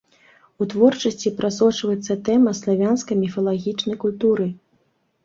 У творчасці прасочваецца тэма славянскай міфалагічнай культуры.